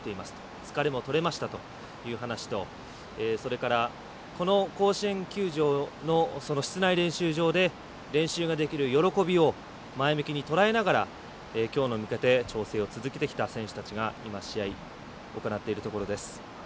疲れも取れましたという話とそれから甲子園球場の室内練習場で練習ができる喜びを前向きにとらえながらきょうに向けて調整を続けてきた選手たちが、今試合を行っているところです。